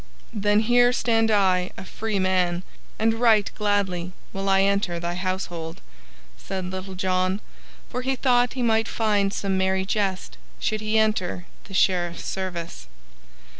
"Then here stand I a free man, and right gladly will I enter thy household," said Little John, for he thought he might find some merry jest, should he enter the Sheriff's service.